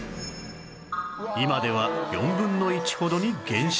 今では４分の１ほどに減少